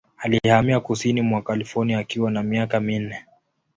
Alihamia kusini mwa California akiwa na miaka minne.